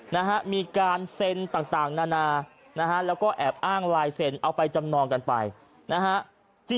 นะฮะมีการเซ็นต่างนานานะฮะแล้วก็แอบอ้างลายเซ็นเอาไปจำนองกันไปนะฮะ